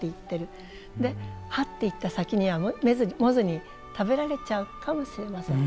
はっていった先にはモズに食べられちゃうかもしれません。